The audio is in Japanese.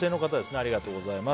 ありがとうございます。